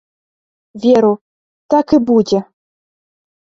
Веру, так і будзе.